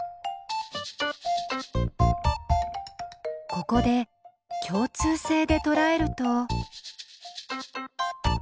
ここで共通性でとらえると。